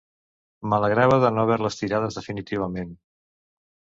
M'alegrava de no haver-les tirades definitivament.